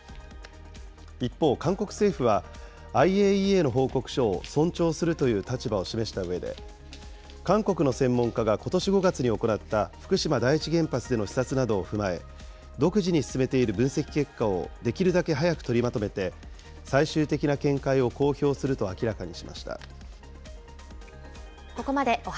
一方、韓国政府は、ＩＡＥＡの報告書を尊重するという立場を示したうえで、韓国の専門家がことし５月に行った福島第一原発での視察などを踏まえ、独自に進めている分析結果をできるだけ早く取りまとめて、最終的な見解を公表すると明らかにしました。